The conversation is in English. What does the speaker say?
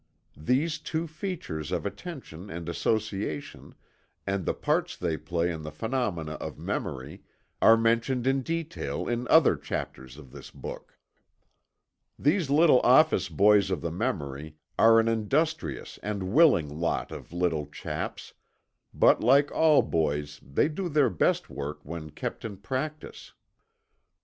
These two features of attention and association, and the parts they play in the phenomena of memory, are mentioned in detail in other chapters of this book. These little office boys of the memory are an industrious and willing lot of little chaps, but like all boys they do their best work when kept in practice.